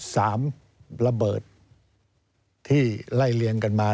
ระเบิดที่ไล่เลี่ยงกันมา